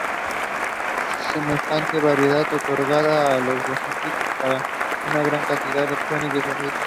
Semejante variedad otorga a los bajistas una gran cantidad de opciones de sonido.